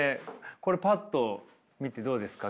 これパッと見てどうですか？